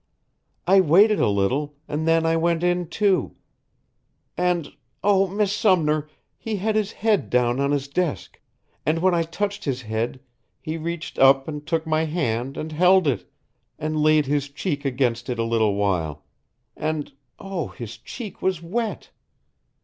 I waited a little, and then I went in too; and oh, Miss Sumner, he had his head down on his desk, and when I touched his head, he reached up and took my hand and held it and laid his cheek against it a little while and oh, his cheek was wet.